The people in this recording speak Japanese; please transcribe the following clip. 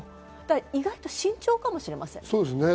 意外と慎重かもしれません。